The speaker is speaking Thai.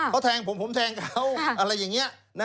เขาแทงผมผมแทงเขาอะไรอย่างนี้